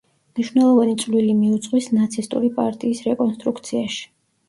მნიშვნელოვანი წვლილი მიუძღვის ნაცისტური პარტიის „რეკონსტრუქციაში“.